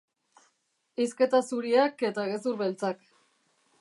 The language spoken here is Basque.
Hizketa zuriak eta gezur beltzak.